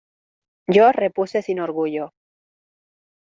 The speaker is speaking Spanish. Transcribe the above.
yo repuse sin orgullo: